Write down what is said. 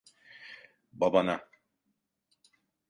Babana…